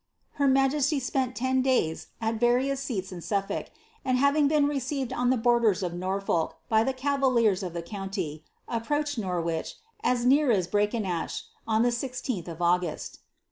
Her majesty spent ten days at various seats in Suffolk, and having been received on the borders of Norfolk by the cavaliers of the county, approached Norwich, as near as Brakenash, 00 the 1 6th of August.